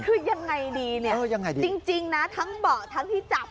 คือยังไงดีเนี่ยจริงนะทั้งเบาะทั้งที่จับ